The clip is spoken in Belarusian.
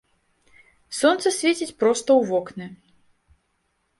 Сонца свеціць проста ў вокны.